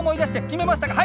決めましたか？